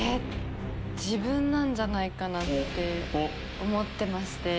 自分なんじゃないかなって思ってまして。